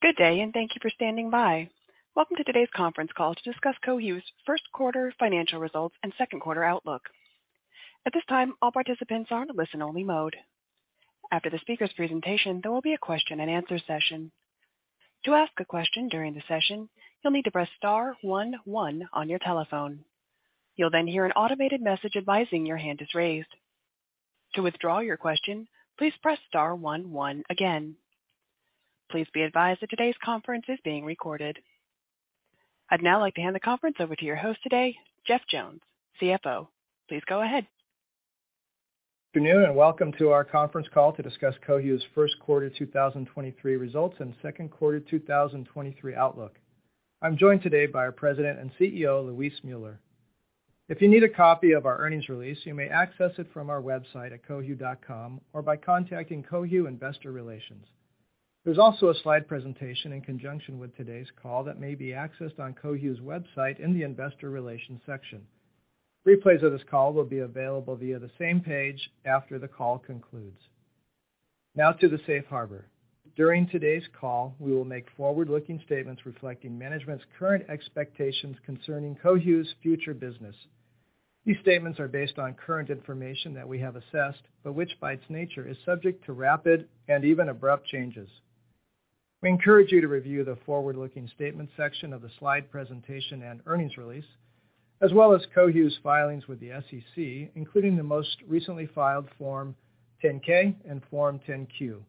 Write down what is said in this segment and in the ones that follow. Good day. Thank you for standing by. Welcome to today's conference call to discuss Cohu's first quarter financial results and second quarter outlook. At this time, all participants are in listen-only mode. After the speaker's presentation, there will be a question-and-answer session. To ask a question during the session, you'll need to press star one one on your telephone. You'll hear an automated message advising your hand is raised. To withdraw your question, please press star one one again. Please be advised that today's conference is being recorded. I'd now like to hand the conference over to your host today, Jeff Jones, CFO. Please go ahead. Good noon. Welcome to our conference call to discuss Cohu's first quarter 2023 results and second quarter 2023 outlook. I'm joined today by our President and CEO, Luis Müller. If you need a copy of our earnings release, you may access it from our website at cohu.com or by contacting Cohu Investor Relations. There's also a slide presentation in conjunction with today's call that may be accessed on Cohu's website in the Investor Relations section. Replays of this call will be available via the same page after the call concludes. Now to the safe harbor. During today's call, we will make forward-looking statements reflecting management's current expectations concerning Cohu's future business. These statements are based on current information that we have assessed, but which by its nature is subject to rapid and even abrupt changes. We encourage you to review the forward-looking statement section of the slide presentation and earnings release, as well as Cohu's filings with the SEC, including the most recently filed Form 10-K and Form 10-Q.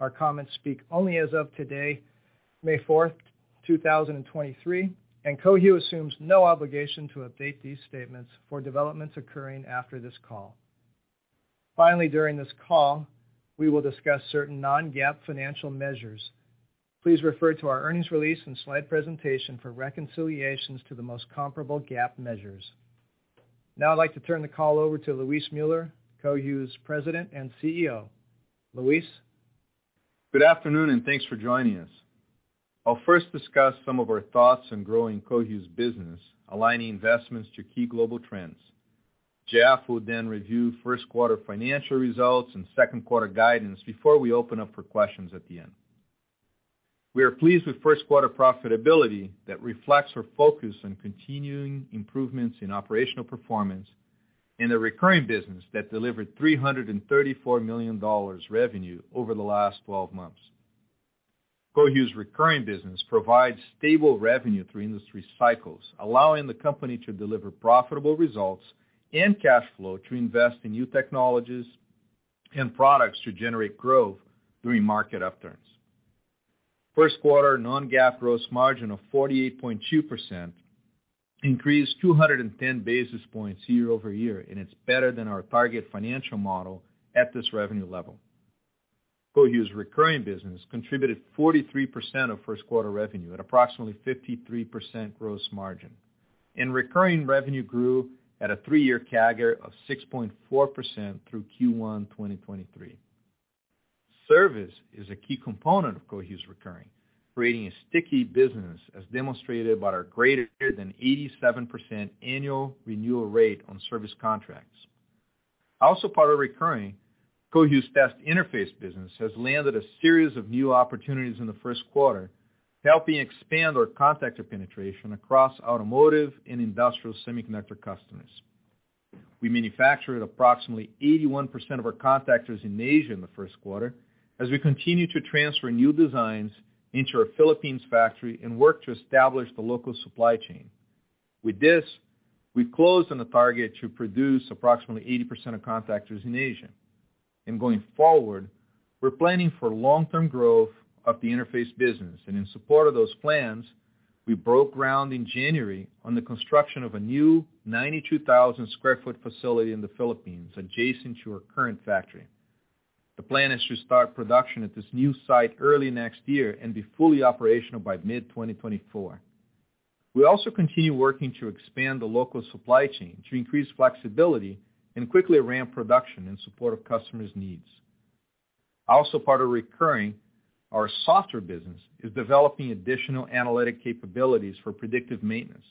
Our comments speak only as of today, May 4th, 2023. Cohu assumes no obligation to update these statements for developments occurring after this call. Finally, during this call, we will discuss certain non-GAAP financial measures. Please refer to our earnings release and slide presentation for reconciliations to the most comparable GAAP measures. I'd like to turn the call over to Luis Müller, Cohu's President and CEO. Luis. Good afternoon. Thanks for joining us. I'll first discuss some of our thoughts on growing Cohu's business, aligning investments to key global trends. Jeff will review first quarter financial results and second quarter guidance before we open up for questions at the end. We are pleased with first quarter profitability that reflects our focus on continuing improvements in operational performance and a recurring business that delivered $334 million revenue over the last 12 months. Cohu's recurring business provides stable revenue through industry cycles, allowing the company to deliver profitable results and cash flow to invest in new technologies and products to generate growth during market upturns. First quarter non-GAAP gross margin of 48.2% increased 210 basis points year-over-year, and it's better than our target financial model at this revenue level. Cohu's recurring business contributed 43% of first quarter revenue at approximately 53% gross margin. Recurring revenue grew at a 3-year CAGR of 6.4% through Q1 2023. Service is a key component of Cohu's recurring, creating a sticky business as demonstrated by our greater than 87% annual renewal rate on service contracts. Also part of recurring, Cohu's test interface business has landed a series of new opportunities in the first quarter, helping expand our contactor penetration across automotive and industrial semiconductor customers. We manufactured approximately 81% of our contactors in Asia in the first quarter as we continue to transfer new designs into our Philippines factory and work to establish the local supply chain. With this, we've closed on a target to produce approximately 80% of contactors in Asia. Going forward, we're planning for long-term growth of the interface business. In support of those plans, we broke ground in January on the construction of a new 92,000 square foot facility in the Philippines adjacent to our current factory. The plan is to start production at this new site early next year and be fully operational by mid-2024. We also continue working to expand the local supply chain to increase flexibility and quickly ramp production in support of customers' needs. Part of recurring, our software business is developing additional analytic capabilities for predictive maintenance.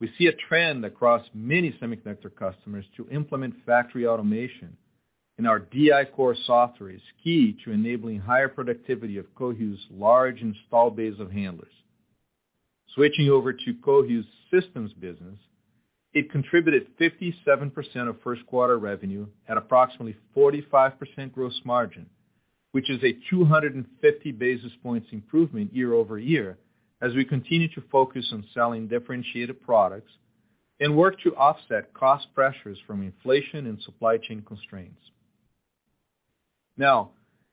We see a trend across many semiconductor customers to implement factory automation, and our DI-Core software is key to enabling higher productivity of Cohu's large installed base of handlers. Switching over to Cohu's systems business, it contributed 57% of first quarter revenue at approximately 45% gross margin, which is a 250 basis points improvement year-over-year as we continue to focus on selling differentiated products and work to offset cost pressures from inflation and supply chain constraints.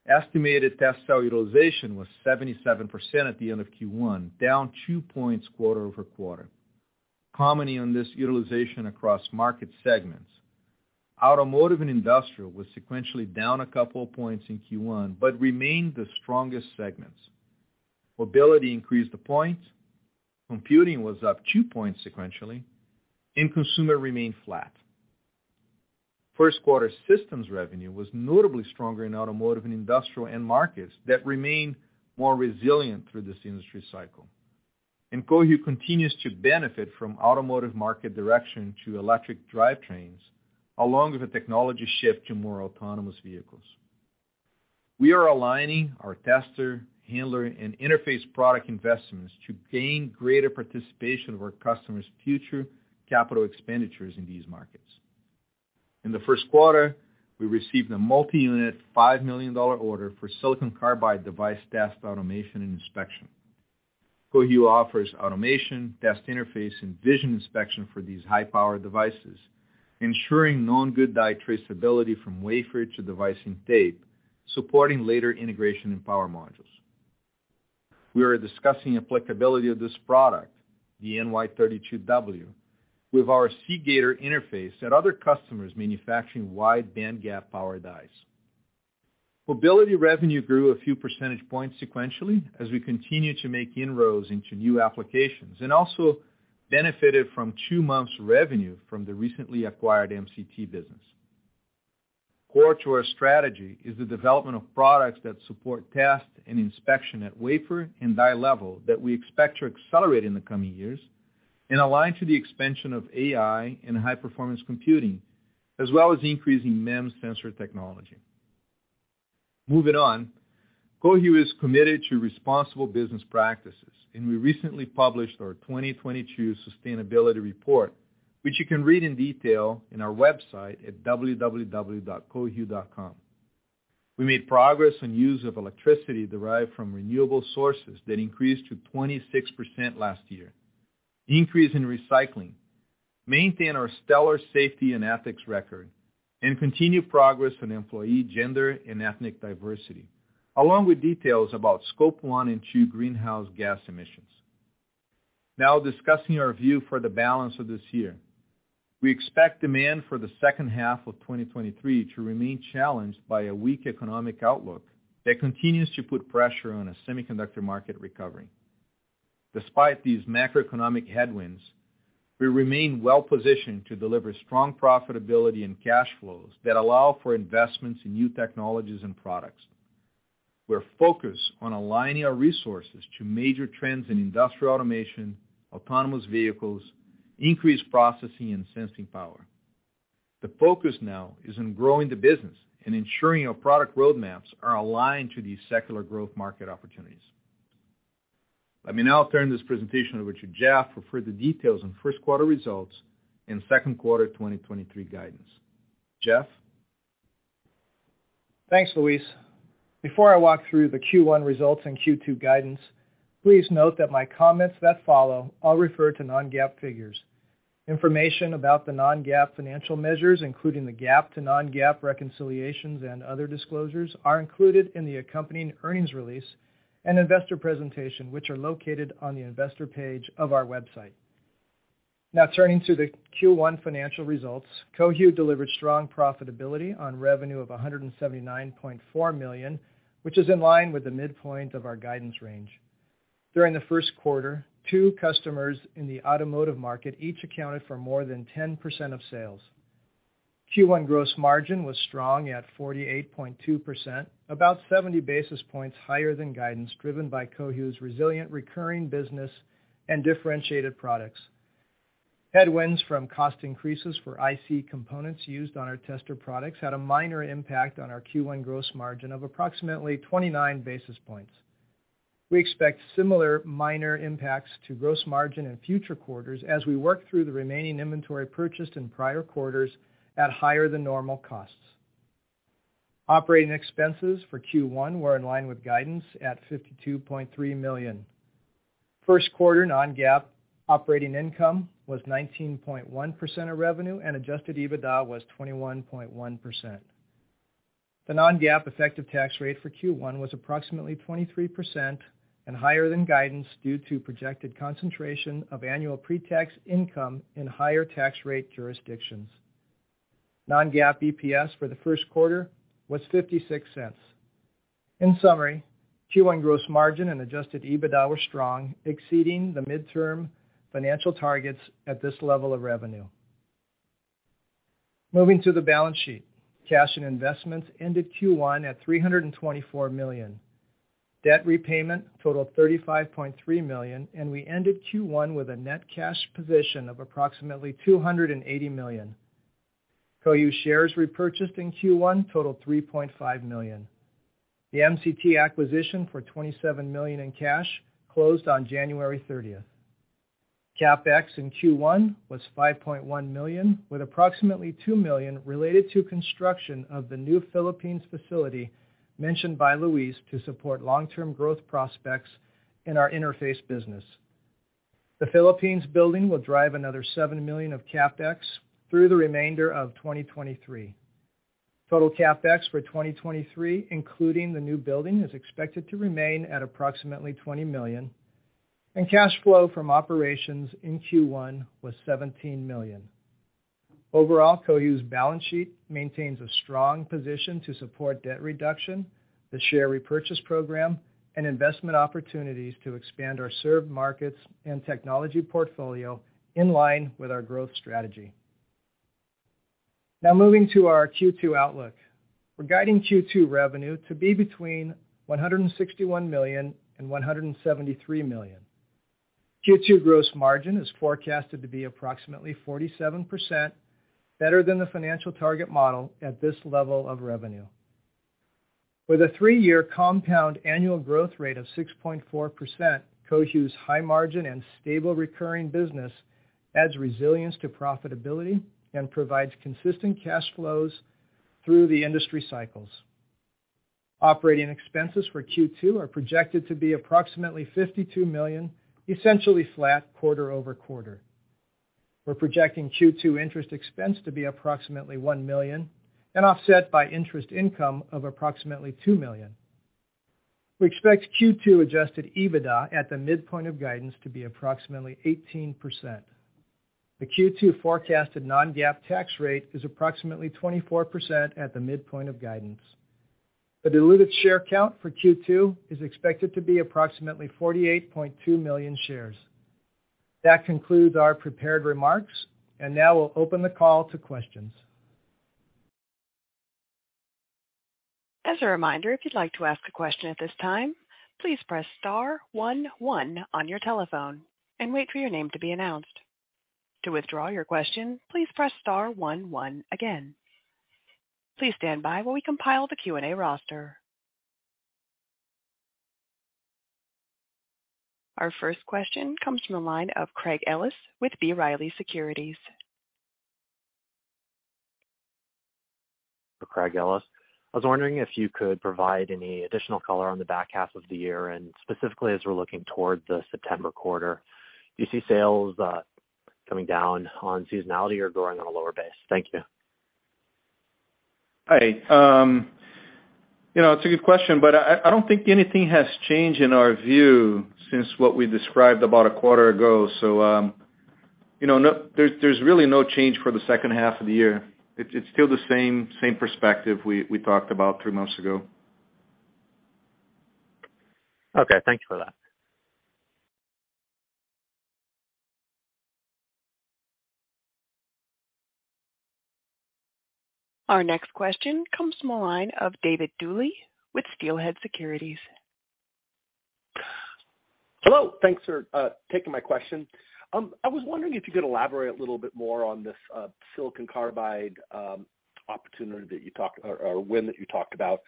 Estimated test cell utilization was 77% at the end of Q1, down 2 points quarter-over-quarter. Commonly on this utilization across market segments. Automotive and industrial was sequentially down a couple of points in Q1, but remained the strongest segments. Mobility increased 1 point, computing was up 2 points sequentially, and consumer remained flat. First quarter systems revenue was notably stronger in automotive and industrial end markets that remain more resilient through this industry cycle. Cohu continues to benefit from automotive market direction to electric drivetrains, along with a technology shift to more autonomous vehicles. We are aligning our tester, handler, and interface product investments to gain greater participation of our customers' future capital expenditures in these markets. In the first quarter, we received a multi-unit $5 million order for silicon carbide device test automation and inspection. Cohu offers automation, test interface, and vision inspection for these high-power devices, ensuring known good die traceability from wafer to device and tape, supporting later integration and power modules. We are discussing applicability of this product, the NY32W, with our cGator interface at other customers manufacturing wide bandgap power dies. Mobility revenue grew a few percentage points sequentially as we continue to make inroads into new applications, and also benefited from 2 months revenue from the recently acquired MCT business. Core to our strategy is the development of products that support test and inspection at wafer and die level that we expect to accelerate in the coming years and align to the expansion of AI and high-performance computing, as well as increasing MEMS sensor technology. Moving on, Cohu is committed to responsible business practices, and we recently published our 2022 sustainability report, which you can read in detail in our website at www.cohu.com. We made progress on use of electricity derived from renewable sources that increased to 26% last year, increase in recycling, maintain our stellar safety and ethics record, and continue progress on employee gender and ethnic diversity, along with details about Scope 1 and 2 greenhouse gas emissions. Discussing our view for the balance of this year. We expect demand for the second half of 2023 to remain challenged by a weak economic outlook that continues to put pressure on a semiconductor market recovery. Despite these macroeconomic headwinds, we remain well positioned to deliver strong profitability and cash flows that allow for investments in new technologies and products. We're focused on aligning our resources to major trends in industrial automation, autonomous vehicles, increased processing, and sensing power. The focus now is on growing the business and ensuring our product roadmaps are aligned to these secular growth market opportunities. Let me now turn this presentation over to Jeff for further details on first quarter results and second quarter 2023 guidance. Jeff? Thanks, Luis. Before I walk through the Q1 results and Q2 guidance, please note that my comments that follow all refer to non-GAAP figures. Information about the non-GAAP financial measures, including the GAAP to non-GAAP reconciliations and other disclosures, are included in the accompanying earnings release and investor presentation, which are located on the investor page of our website. Now turning to the Q1 financial results. Cohu delivered strong profitability on revenue of $179.4 million, which is in line with the midpoint of our guidance range. During the first quarter, two customers in the automotive market each accounted for more than 10% of sales. Q1 gross margin was strong at 48.2%, about 70 basis points higher than guidance, driven by Cohu's resilient recurring business and differentiated products. Headwinds from cost increases for IC components used on our tester products had a minor impact on our Q1 gross margin of approximately 29 basis points. We expect similar minor impacts to gross margin in future quarters as we work through the remaining inventory purchased in prior quarters at higher than normal costs. Operating expenses for Q1 were in line with guidance at $52.3 million. First quarter non-GAAP operating income was 19.1% of revenue, and Adjusted EBITDA was 21.1%. The non-GAAP effective tax rate for Q1 was approximately 23% and higher than guidance due to projected concentration of annual pre-tax income in higher tax rate jurisdictions. Non-GAAP EPS for the first quarter was $0.56. In summary, Q1 gross margin and Adjusted EBITDA were strong, exceeding the midterm financial targets at this level of revenue. Moving to the balance sheet. Cash and investments ended Q1 at $324 million. Debt repayment totaled $35.3 million. We ended Q1 with a net cash position of approximately $280 million. Cohu shares repurchased in Q1 totaled $3.5 million. The MCT acquisition for $27 million in cash closed on January 30th. CapEx in Q1 was $5.1 million, with approximately $2 million related to construction of the new Philippines facility mentioned by Luis to support long-term growth prospects in our interface business. The Philippines building will drive another $7 million of CapEx through the remainder of 2023. Total CapEx for 2023, including the new building, is expected to remain at approximately $20 million. Cash flow from operations in Q1 was $17 million. Overall, Cohu's balance sheet maintains a strong position to support debt reduction, the share repurchase program, and investment opportunities to expand our served markets and technology portfolio in line with our growth strategy. Moving to our Q2 outlook. We're guiding Q2 revenue to be between $161 million and $173 million. Q2 gross margin is forecasted to be approximately 47%, better than the financial target model at this level of revenue. With a 3-year compound annual growth rate of 6.4%, Cohu's high margin and stable recurring business adds resilience to profitability and provides consistent cash flows through the industry cycles. Operating expenses for Q2 are projected to be approximately $52 million, essentially flat quarter-over-quarter. We're projecting Q2 interest expense to be approximately $1 million and offset by interest income of approximately $2 million. We expect Q2 Adjusted EBITDA at the midpoint of guidance to be approximately 18%. The Q2 forecasted non-GAAP tax rate is approximately 24% at the midpoint of guidance. The diluted share count for Q2 is expected to be approximately 48.2 million shares. That concludes our prepared remarks, and now we'll open the call to questions. As a reminder, if you'd like to ask a question at this time, please press star one one on your telephone and wait for your name to be announced. To withdraw your question, please press star one one again. Please stand by while we compile the Q&A roster. Our first question comes from the line of Craig Ellis with B. Riley Securities. Craig Ellis. I was wondering if you could provide any additional color on the back half of the year, and specifically as we're looking toward the September quarter, do you see sales coming down on seasonality or growing on a lower base? Thank you. Hi. You know, it's a good question, I don't think anything has changed in our view since what we described about a quarter ago. You know, there's really no change for the second half of the year. It's still the same perspective we talked about three months ago. Okay. Thank you for that. Our next question comes from the line of David Duley with Steelhead Securities. Hello. Thanks for taking my question. I was wondering if you could elaborate a little bit more on this Silicon carbide opportunity that you talked or win that you talked about.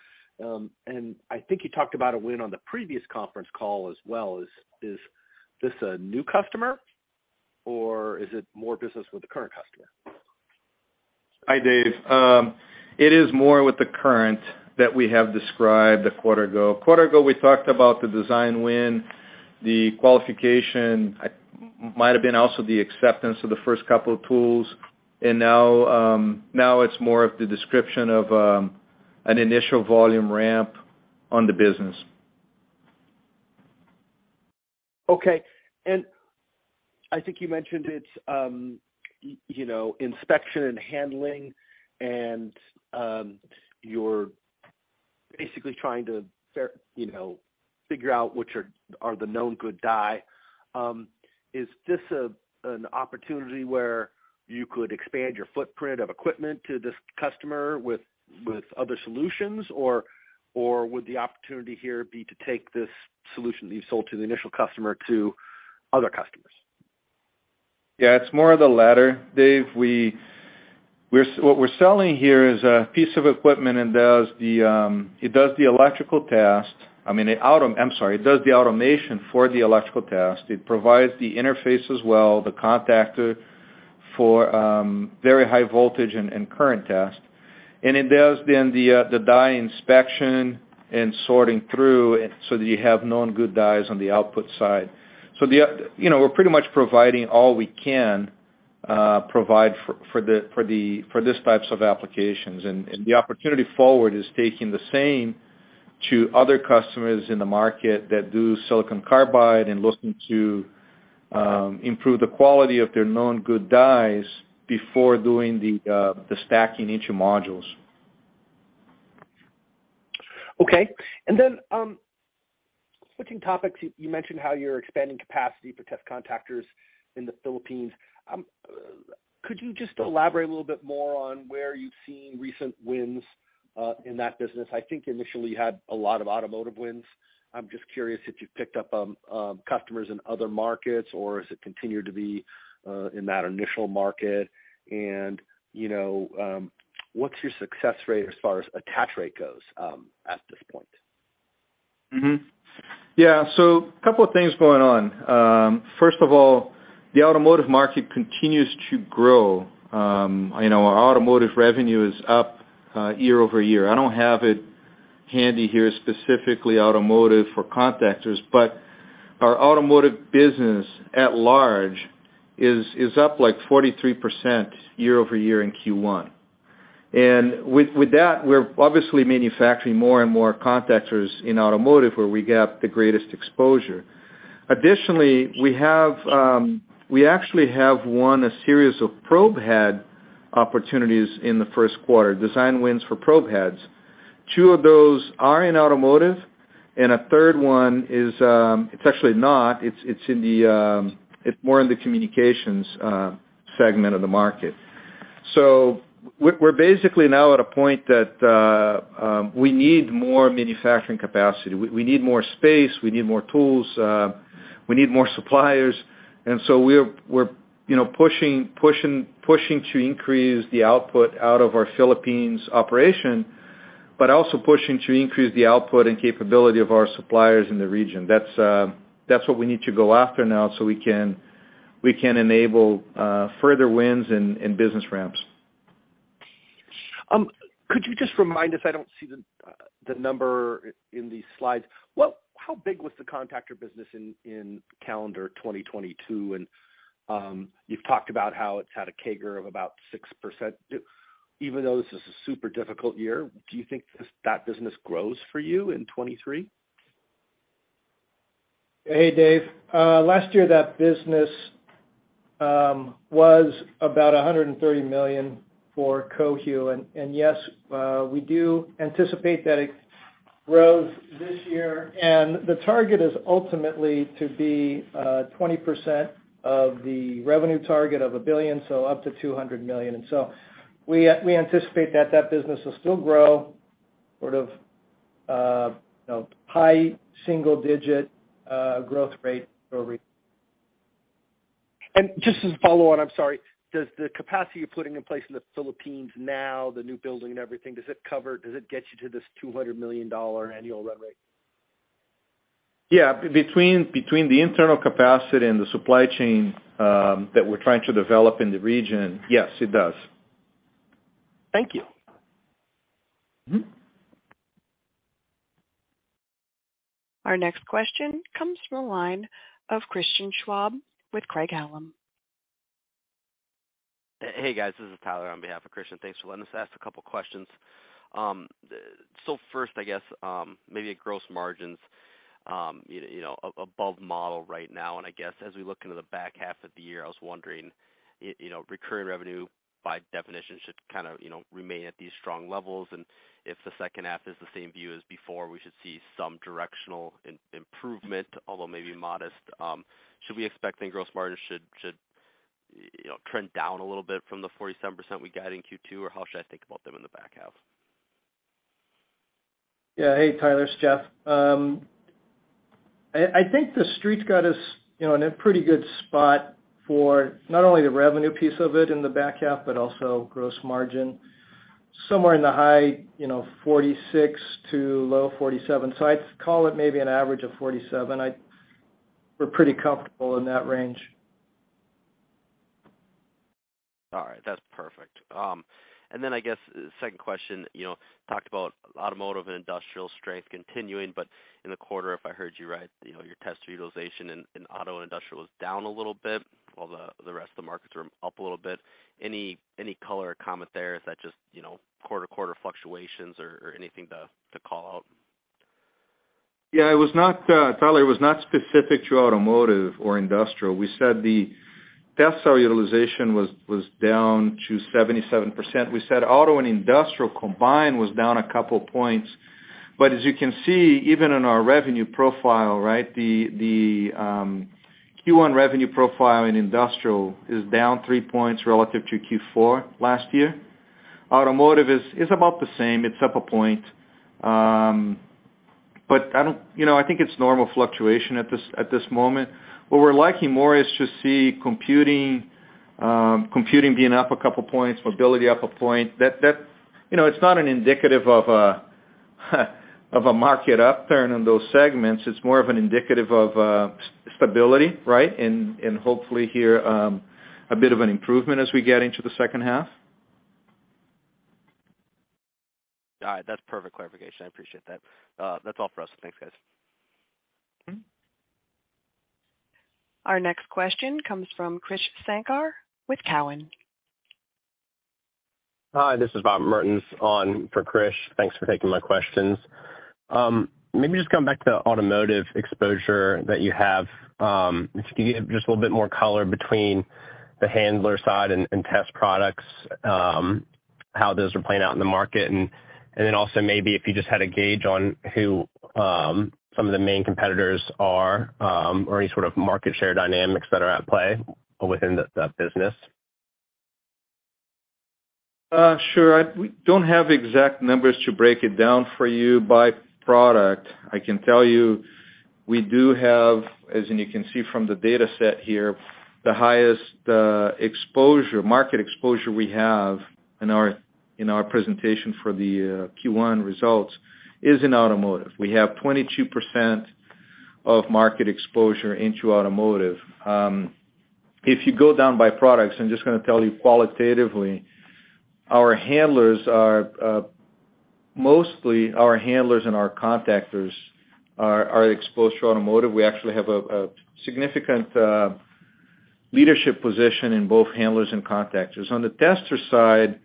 I think you talked about a win on the previous conference call as well. Is this a new customer or is it more business with a current customer? Hi, Dave. It is more with the current that we have described a quarter ago. A quarter ago, we talked about the design win, the qualification. It might have been also the acceptance of the first couple of tools. Now, now it's more of the description of an initial volume ramp on the business. Okay. I think you mentioned it's, you know, inspection and handling and, you're basically trying to you know, figure out which are the known good die. Is this an opportunity where you could expand your footprint of equipment to this customer with other solutions? Would the opportunity here be to take this solution that you sold to the initial customer to other customers? It's more of the latter, Dave. What we're selling here is a piece of equipment and does the electrical test. I mean, I'm sorry. It does the automation for the electrical test. It provides the interface as well, the contactor for very high voltage and current test. It does then the die inspection and sorting through so that you have known good dies on the output side. The, you know, we're pretty much providing all we can provide for the, for the, for these types of applications. The opportunity forward is taking the same to other customers in the market that do silicon carbide and looking to improve the quality of their known good dies before doing the stacking into modules. Okay. Switching topics, you mentioned how you're expanding capacity for test contactors in the Philippines. Could you just elaborate a little bit more on where you've seen recent wins in that business? I think initially you had a lot of automotive wins. I'm just curious if you've picked up customers in other markets or has it continued to be in that initial market? You know, what's your success rate as far as attach rate goes at this point? Yeah, couple of things going on. First of all, the automotive market continues to grow. You know, our automotive revenue is up year-over-year. I don't have it handy here, specifically automotive for contactors, but our automotive business at large is up like 43% year-over-year in Q1. With that, we're obviously manufacturing more and more contactors in automotive where we get the greatest exposure. Additionally, we have, we actually have won a series of probe head opportunities in the first quarter, design wins for probe heads. Two of those are in automotive, and a third one is, it's actually not. It's in the, it's more in the communications segment of the market. We're basically now at a point that we need more manufacturing capacity. We need more space, we need more tools, we need more suppliers. We're, you know, pushing, pushing to increase the output out of our Philippines operation, pushing to increase the output and capability of our suppliers in the region. That's what we need to go after now so we can enable further wins and business ramps. Could you just remind us, I don't see the number in these slides. How big was the contactor business in calendar 2022? You've talked about how it's had a CAGR of about 6%. Even though this is a super difficult year, do you think this, that business grows for you in 2023? Hey, Dave. Last year that business was about $130 million for Cohu. Yes, we do anticipate that it grows this year. The target is ultimately to be 20% of the revenue target of $1 billion, so up to $200 million. We anticipate that that business will still grow sort of, you know, high single-digit growth rate over Just as a follow-on, I'm sorry. Does the capacity you're putting in place in the Philippines now, the new building and everything, does it cover, does it get you to this $200 million annual run rate? Yeah. Between the internal capacity and the supply chain, that we're trying to develop in the region, yes, it does. Thank you. Mm-hmm. Our next question comes from the line of Christian Schwab with Craig-Hallum. Hey, guys. This is Tyler on behalf of Christian. Thanks for letting us ask a couple questions. First, I guess, maybe at gross margins, you know, above model right now. I guess as we look into the back half of the year, I was wondering you know, recurring revenue, by definition, should kind of, you know, remain at these strong levels. If the second half is the same view as before, we should see some directional improvement, although maybe modest. Should we expect then gross margins should, you know, trend down a little bit from the 47% we got in Q2? How should I think about them in the back half? Yeah. Hey, Tyler, it's Jeff. I think the Street's got us, you know, in a pretty good spot for not only the revenue piece of it in the back half, but also gross margin. Somewhere in the high, you know, 46% to low 47%. I'd call it maybe an average of 47%. We're pretty comfortable in that range. All right. That's perfect. I guess second question, you know, talked about automotive and industrial strength continuing, but in the quarter, if I heard you right, you know, your tester utilization in auto and industrial was down a little bit while the rest of the markets were up a little bit. Any, any color or comment there? Is that just, you know, quarter to quarter fluctuations or anything to call out? It was not, Tyler, it was not specific to automotive or industrial. We said the tester utilization was down to 77%. We said auto and industrial combined was down 2 points. As you can see, even in our revenue profile, right, Q1 revenue profile in industrial is down 3 points relative to Q4 last year. Automotive is about the same. It's up 1 point. You know, I think it's normal fluctuation at this moment. What we're liking more is to see computing being up 2 points, mobility up 1 point. You know, it's not an indicative of a market upturn on those segments. It's more of an indicative of stability, right? Hopefully here, a bit of an improvement as we get into the second half. All right. That's perfect clarification. I appreciate that. That's all for us. Thanks, guys. Mm-hmm. Our next question comes from Krish Sankar with Cowen. Hi, this is Robert Mertens on for Krish. Thanks for taking my questions. Maybe just come back to automotive exposure that you have. Can you give just a little bit more color between the handler side and test products, how those are playing out in the market? Then also maybe if you just had a gauge on who some of the main competitors are, or any sort of market share dynamics that are at play within that business. Sure. We don't have exact numbers to break it down for you by product. I can tell you we do have, as and you can see from the data set here, the highest exposure, market exposure we have in our, in our presentation for the Q1 results is in automotive. We have 22% of market exposure into automotive. If you go down by products, I'm just gonna tell you qualitatively, our handlers are mostly our handlers and our contactors are exposed to automotive. We actually have a significant leadership position in both handlers and contactors. On the tester side,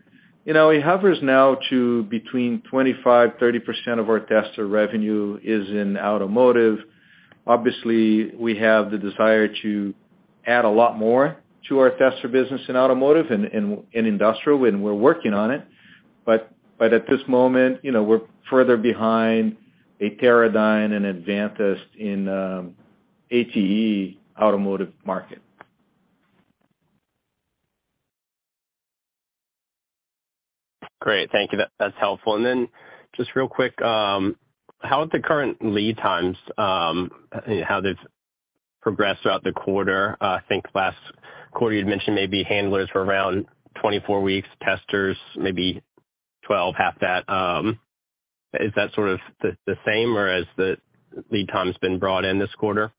you know, it hovers now to between 25%-30% of our tester revenue is in automotive. Obviously, we have the desire to add a lot more to our tester business in automotive and, in industrial, and we're working on it. At this moment, you know, we're further behind a Teradyne and Advantest in ATE automotive market. Great. Thank you. That's helpful. Just real quick, how are the current lead times, how they've progressed throughout the quarter? I think last quarter you had mentioned maybe handlers were around 24 weeks, testers maybe 12, half that. Is that sort of the same or has the lead time been brought in this quarter?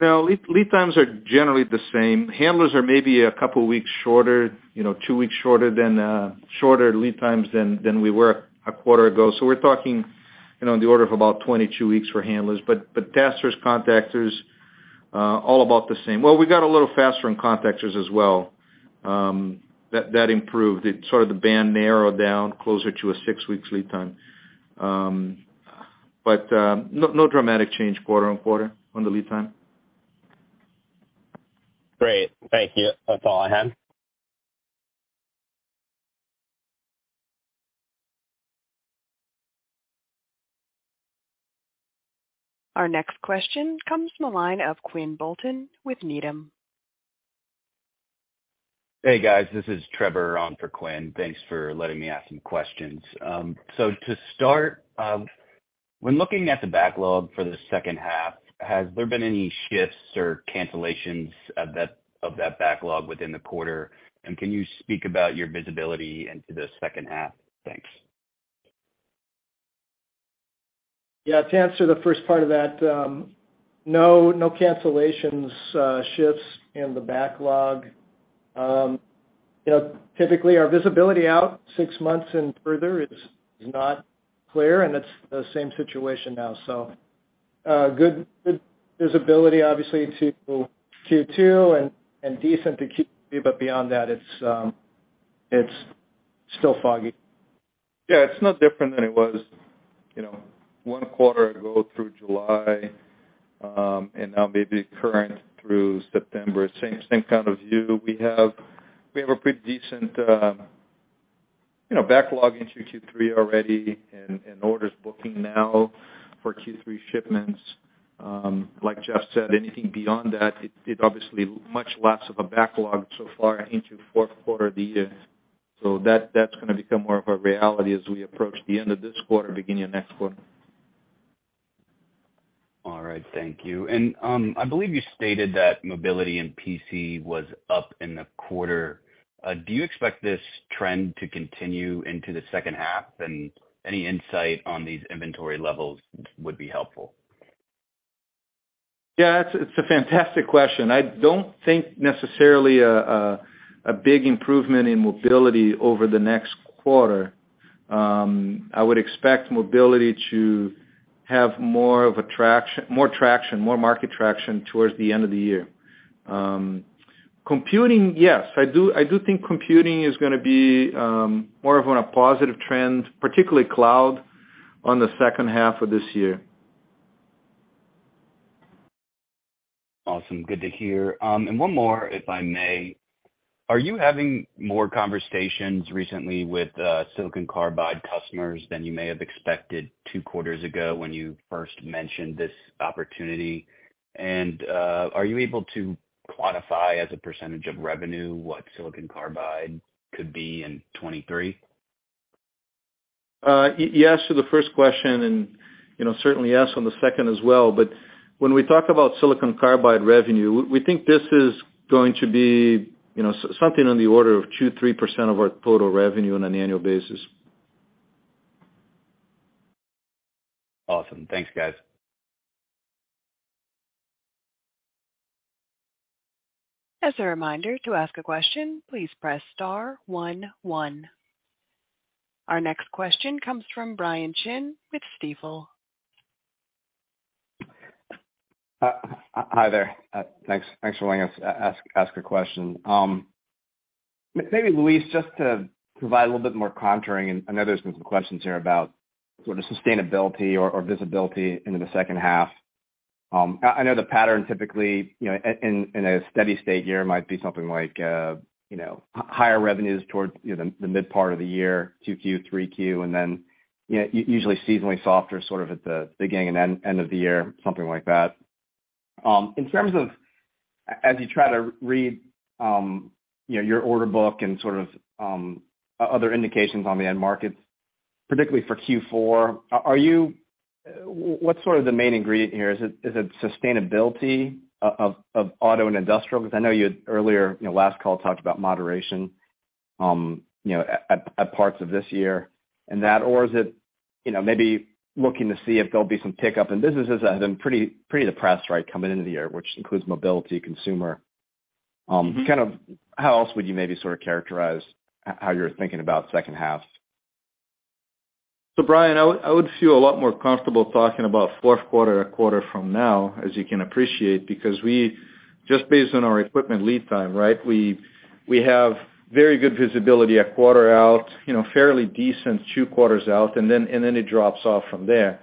No, lead times are generally the same. Handlers are maybe a couple weeks shorter, you know, 2 weeks shorter than shorter lead times than we were a quarter ago. We're talking, you know, in the order of about 22 weeks for handlers. Testers, contactors, all about the same. Well, we got a little faster in contactors as well, that improved. Sort of the band narrowed down closer to a 6 weeks lead time. No dramatic change quarter-on-quarter on the lead time. Great. Thank you. That's all I had. Our next question comes from the line of Quinn Bolton with Needham. Hey, guys. This is Trevor on for Quinn. Thanks for letting me ask some questions. To start, when looking at the backlog for the second half, has there been any shifts or cancellations of that backlog within the quarter? Can you speak about your visibility into the second half? Thanks. To answer the first part of that, no cancellations, shifts in the backlog. You know, typically our visibility out 6 months and further is not clear, and it's the same situation now. Good, good visibility obviously into Q2 and decent to Q3, but beyond that it's still foggy. It's no different than it was, you know, 1 quarter ago through July, and now maybe current through September. Same kind of view. We have a pretty decent, you know, backlog into Q3 already and orders booking now for Q3 shipments. Like Jeff said, anything beyond that, it obviously much less of a backlog so far into fourth quarter of the year. That's gonna become more of a reality as we approach the end of this quarter, beginning of next quarter. All right, thank you. I believe you stated that mobility and PC was up in the quarter. Do you expect this trend to continue into the second half? Any insight on these inventory levels would be helpful. Yeah, it's a fantastic question. I don't think necessarily a big improvement in mobility over the next quarter. I would expect mobility to have more traction, more market traction towards the end of the year. Computing, yes, I do think computing is gonna be more of on a positive trend, particularly cloud on the second half of this year. Awesome. Good to hear. One more if I may. Are you having more conversations recently with silicon carbide customers than you may have expected 2 quarters ago when you first mentioned this opportunity? Are you able to quantify as a percent of revenue what silicon carbide could be in 2023? Yes to the first question and, you know, certainly yes on the second as well. When we talk about silicon carbide revenue, we think this is going to be, you know, something on the order of 2%, 3% of our total revenue on an annual basis. Awesome. Thanks, guys. As a reminder, to ask a question, please press star one one. Our next question comes from Brian Chin with Stifel. Hi there. Thanks for letting us ask a question. Maybe Luis, just to provide a little bit more contouring, and I know there's been some questions here about sort of sustainability or visibility into the second half. I know the pattern typically, you know, in a steady state year might be something like, you know, higher revenues towards, you know, the mid part of the year, Q2, Q3, and then, you know, usually seasonally softer sort of at the beginning and end of the year, something like that. In terms of as you try to read, you know, your order book and sort of, other indications on the end markets, particularly for Q4, what's sort of the main ingredient here? Is it sustainability of auto and industrial? I know you had earlier, you know, last call talked about moderation, at parts of this year and that. Is it, you know, maybe looking to see if there'll be some pickup in businesses that have been pretty depressed, right, coming into the year, which includes mobility, consumer? Kind of how else would you maybe sort of characterize how you're thinking about second half? Brian, I would feel a lot more comfortable talking about fourth quarter a quarter from now, as you can appreciate, because we just based on our equipment lead time, right? We have very good visibility a quarter out, you know, fairly decent two quarters out, and then it drops off from there.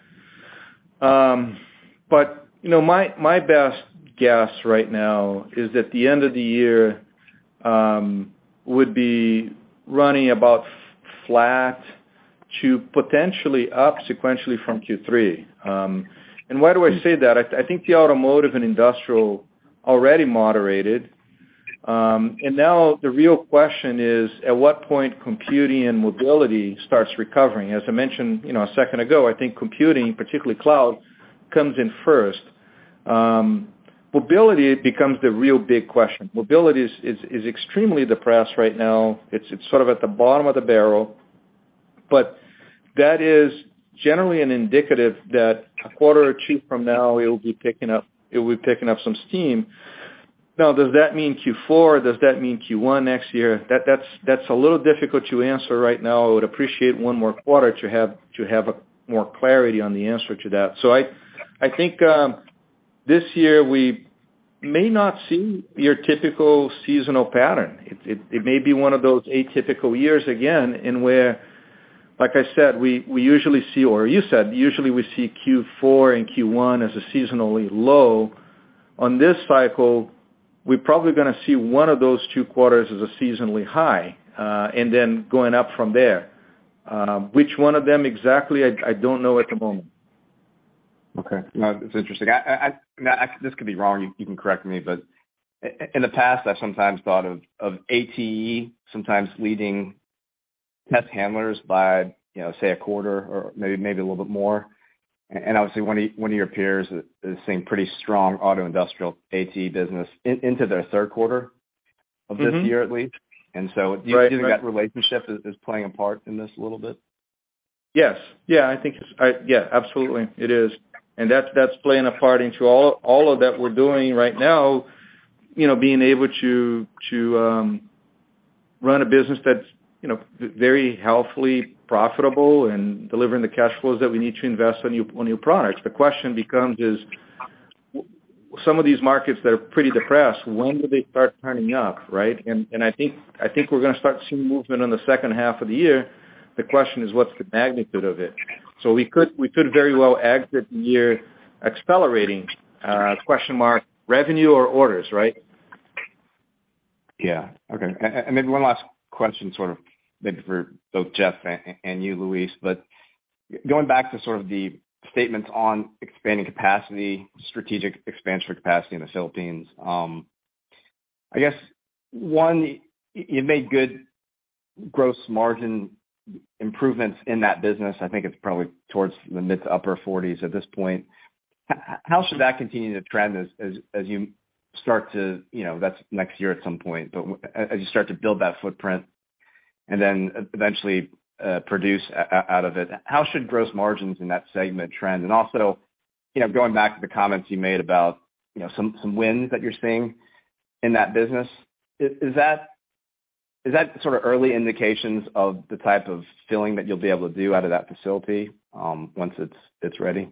You know, my best guess right now is at the end of the year would be running about flat to potentially up sequentially from Q3. Why do I say that? I think the automotive and industrial already moderated. Now the real question is, at what point computing and mobility starts recovering? As I mentioned, you know, a second ago, I think computing, particularly cloud, comes in first. Mobility becomes the real big question. Mobility is extremely depressed right now. It's sort of at the bottom of the barrel, but that is generally an indicative that a quarter or two from now it will be picking up some steam. Does that mean Q4? Does that mean Q1 next year? That's a little difficult to answer right now. I would appreciate one more quarter to have more clarity on the answer to that. I think this year we may not see your typical seasonal pattern. It may be one of those atypical years again in where, like I said, we usually see or you said, usually we see Q4 and Q1 as a seasonally low. On this cycle, we're probably gonna see one of those two quarters as a seasonally high, and then going up from there. Which one of them exactly, I don't know at the moment. Okay. No, it's interesting. I... Now, this could be wrong, you can correct me, but in the past, I've sometimes thought of ATE sometimes leading test handlers by, you know, say, a quarter or maybe a little bit more. Obviously one of your peers is seeing pretty strong auto industrial ATE business into their third quarter. Mm-hmm. Of this year, at least. Right. Do you think that relationship is playing a part in this a little bit? Yes. Yeah, I think it's. Yeah, absolutely, it is. That's, that's playing a part into all of that we're doing right now, you know, being able to run a business that's, you know, very healthily profitable and delivering the cash flows that we need to invest on new products. The question becomes is, some of these markets that are pretty depressed, when do they start turning up, right? I think we're gonna start to see movement on the second half of the year. The question is, what's the magnitude of it? We could very well exit the year accelerating, question mark, revenue or orders, right? Yeah. Okay. Maybe one last question, sort of maybe for both Jeff and you, Luis. Going back to sort of the statements on expanding capacity, strategic expansion capacity in the Philippines, I guess one, you made good gross margin improvements in that business. I think it's probably towards the mid-to-upper 40s at this point. How should that continue to trend as you start to... You know, that's next year at some point, but as you start to build that footprint and then eventually produce out of it, how should gross margins in that segment trend? Also, you know, going back to the comments you made about, you know, some wins that you're seeing in that business. Is that sort of early indications of the type of filling that you'll be able to do out of that facility, once it's ready?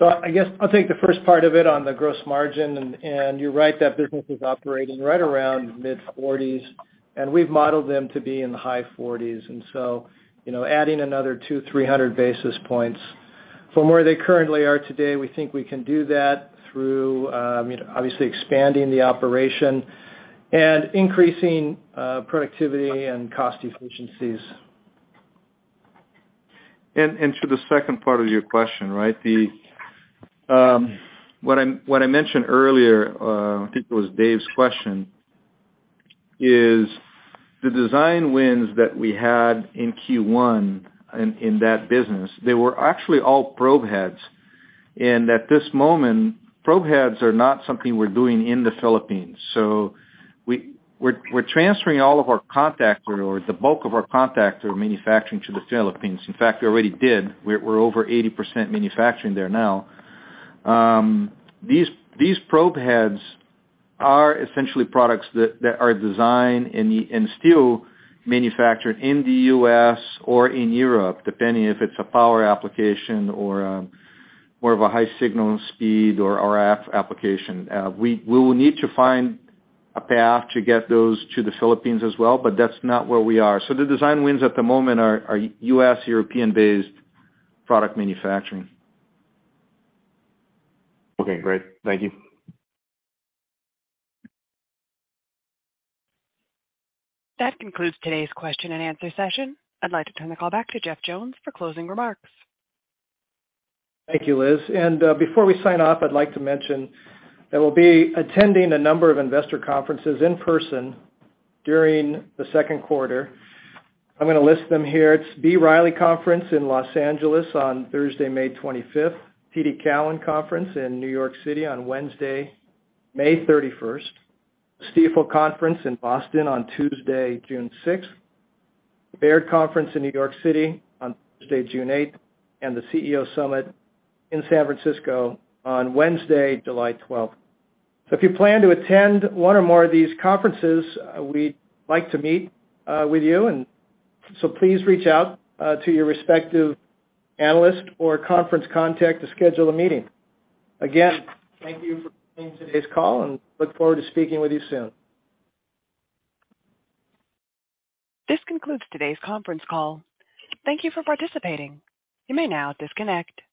I guess I'll take the first part of it on the gross margin, and you're right that business is operating right around mid-40s, and we've modeled them to be in the high 40s. You know, adding another 200-300 basis points from where they currently are today, we think we can do that through, you know, obviously expanding the operation and increasing productivity and cost efficiencies. To the second part of your question, right? The what I mentioned earlier, I think it was Dave's question, is the design wins that we had in Q1 in that business, they were actually all probe heads. At this moment, probe heads are not something we're doing in the Philippines. We're transferring all of our contact or the bulk of our contactor manufacturing to the Philippines. In fact, we already did. We're over 80% manufacturing there now. These probe heads are essentially products that are designed and still manufactured in the U.S. or in Europe, depending if it's a power application or more of a high signal speed or RF application. We will need to find a path to get those to the Philippines as well, but that's not where we are. The design wins at the moment are U.S. European-based product manufacturing. Okay, great. Thank you. That concludes today's question and answer session. I'd like to turn the call back to Jeff Jones for closing remarks. Thank you, Liz. Before we sign off, I'd like to mention that we'll be attending a number of investor conferences in person during the second quarter. I'm gonna list them here. It's B. Riley Conference in Los Angeles on Thursday, May 25th. TD Cowen Conference in New York City on Wednesday, May 31st. Stifel Conference in Boston on Tuesday, June 6th. Baird Conference in New York City on Thursday, June 8th. The CEO Summit in San Francisco on Wednesday, July 12th. If you plan to attend one or more of these conferences, we'd like to meet with you. Please reach out to your respective analyst or conference contact to schedule a meeting. Again, thank you for joining today's call and look forward to speaking with you soon. This concludes today's conference call. Thank you for participating. You may now disconnect.